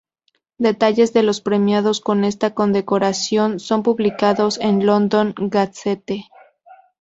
Detalles de los premiados con esta condecoración son publicados en la London Gazette.